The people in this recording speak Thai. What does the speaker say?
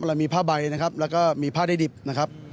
เรามีผ้าใบนะครับแล้วก็มีผ้าได้ดิบนะครับ